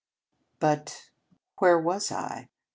But where was I